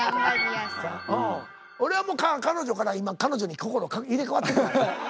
俺はもう彼女から今彼女に心入れかわってるからね。